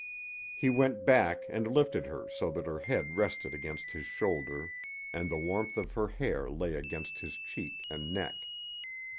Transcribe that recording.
He went back and lifted her so that her head rested against his shoulder and the warmth of her hair lay against his cheek and neck.